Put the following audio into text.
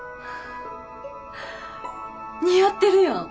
似合ってるやん！